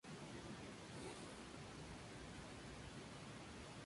El fruto es, en general, capsular, aunque, ocasionalmente puede haber frutos de otros tipos.